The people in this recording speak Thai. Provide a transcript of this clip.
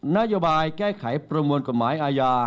นโยบายแก้ไขประมวลกฎหมายอาญา